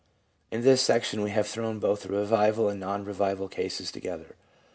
In this section we have thrown both the revival and non revival cases together.